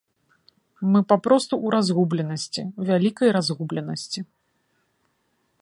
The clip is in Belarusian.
Мы папросту ў разгубленасці, вялікай разгубленасці.